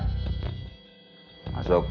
sulit sama perlu berpikir